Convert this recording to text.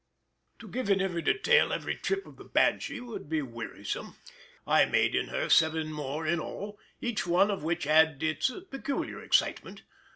To give in detail every trip of the Banshee would be wearisome. I made in her seven more in all, each one of which had its peculiar excitement.